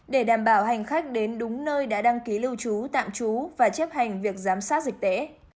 để đảm bảo hành khách đến đúng nơi đã đăng ký lưu trú tạm trú và chấp hành việc giám sát dịch tễ